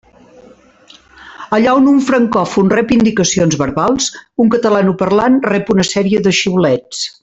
Allà on un francòfon rep indicacions verbals, un catalanoparlant rep una sèrie de xiulets.